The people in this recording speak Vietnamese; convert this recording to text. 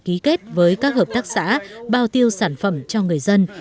ký kết với các hợp tác xã bao tiêu sản phẩm cho người dân